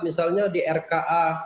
misalnya di rka